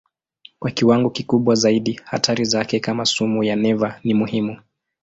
Kwa viwango kikubwa zaidi hatari zake kama sumu ya neva ni muhimu.